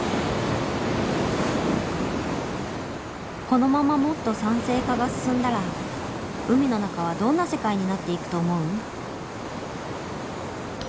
このままもっと酸性化が進んだら海の中はどんな世界になっていくと思う？